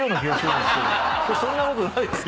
そんなことないですか？